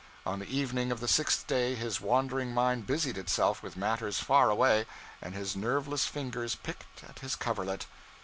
On the evening of the sixth day his wandering mind busied itself with matters far away, and his nerveless fingers 'picked at his coverlet.'